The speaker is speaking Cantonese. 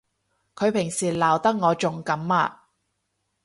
佢平時鬧得我仲甘啊！